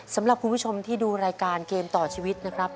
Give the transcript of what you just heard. สำหรับคุณผู้ชมที่ดูรายการเกมต่อชีวิตนะครับ